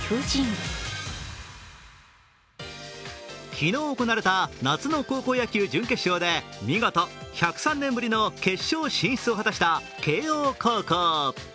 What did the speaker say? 昨日行われた夏の高校野球準決勝で見事１０３年ぶりの決勝進出を果たした慶応高校。